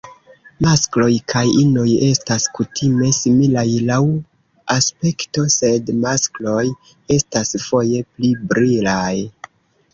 Maskloj kaj inoj estas kutime similaj laŭ aspekto, sed maskloj estas foje pli brilaj.